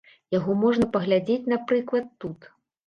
Яго можна паглядзець, напрыклад, тут.